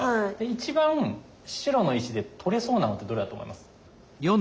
一番白の石で取れそうなのってどれだと思います？